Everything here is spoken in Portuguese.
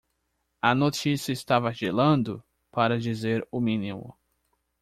A notícia estava gelando? para dizer o mínimo.